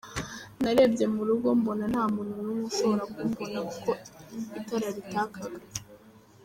Narebye mu rugo mbona nta muntu n’umwe ushobora kumbona kuko itara ritakaga.